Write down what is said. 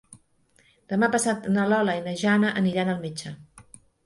Demà passat na Lola i na Jana aniran al metge.